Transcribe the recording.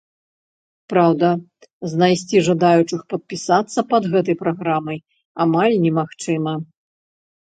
Праўда, знайсці жадаючых падпісацца пад гэтай праграмай амаль немагчыма.